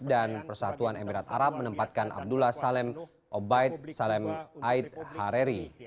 dan persatuan emirat arab menempatkan abdullah salem obaid salem ait hareri